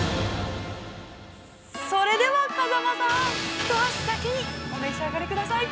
◆それでは風間さん、一足先に、お召し上がりください。